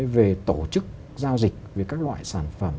về tổ chức giao dịch về các loại sản phẩm